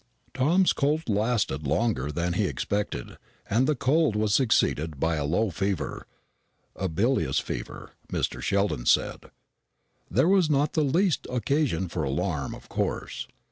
Tom's cold lasted longer than he had expected, and the cold was succeeded by a low fever a bilious fever, Mr. Sheldon said. There was not the least occasion for alarm, of course.